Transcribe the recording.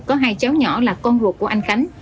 có hai cháu nhỏ là con ruột của anh khánh